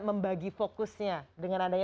membagi fokusnya dengan adanya